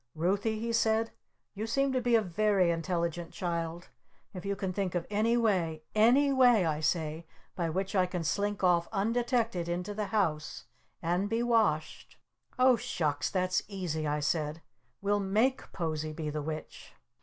"Ruthie," he said, "you seem to be a very intelligent child. If you can think of any way any way, I say by which I can slink off undetected into the house and be washed " "Oh Shucks! That's easy!" I said. "We'll make Posie be the Witch!"